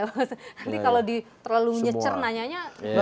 nanti kalau terlalu nyecer nanyanya